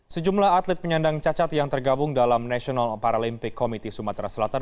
sejumlah atlet penyandang cacat yang tergabung dalam national paralympic committee sumatera selatan